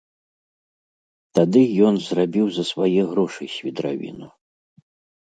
Тады ён зрабіў за свае грошы свідравіну.